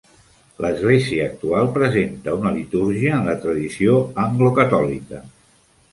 L'església actual presenta una litúrgia en la tradició anglocatòlica.